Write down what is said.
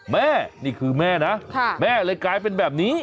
แม่นี่คือแม่นะแม่เลยกลายเป็นแบบนี้